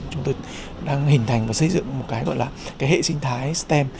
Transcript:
chúng tôi đang hình thành và xây dựng một cái gọi là cái hệ sinh thái stem